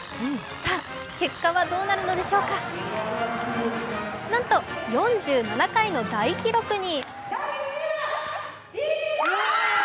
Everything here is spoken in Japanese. さあ、結果はどうなるのでしょうかなんと４７回の大記録に。